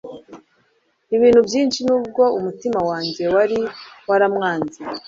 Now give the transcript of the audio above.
ibintu byinshi nubwo umutima wanjye wari waramwanze